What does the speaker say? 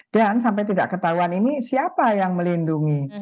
dan sampai tidak ketahuan ini siapa yang melindungi